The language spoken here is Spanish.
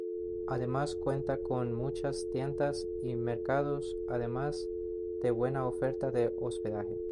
Además cuenta con muchas tiendas y mercados, además de una buena oferta de hospedaje.